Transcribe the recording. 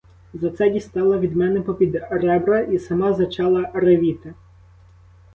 За це дістала від мене попід ребра і сама зачала ревіти.